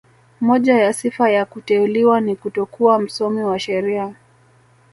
Moja ya sifa ya kuteuliwa ni kutokuwa msomi wa sheria